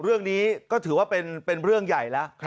เรื่องนี้ก็ถือว่าเป็นเรื่องใหญ่แล้ว